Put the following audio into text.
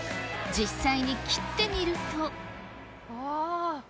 実際に切ってみるとあぁ。